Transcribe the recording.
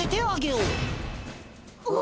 うわ！